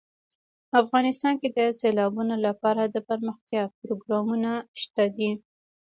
افغانستان کې د سیلابونو لپاره دپرمختیا پروګرامونه شته دي.